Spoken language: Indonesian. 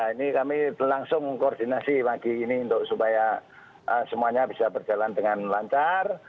ini kami langsung koordinasi pagi ini supaya semuanya bisa berjalan dengan lancar